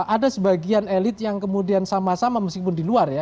ada sebagian elit yang kemudian sama sama meskipun di luar ya